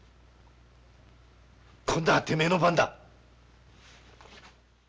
今度はてめえの番だ。